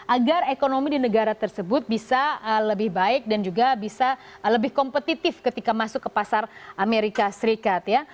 agar ekonomi di negara tersebut bisa lebih baik dan juga bisa lebih kompetitif ketika masuk ke pasar amerika serikat ya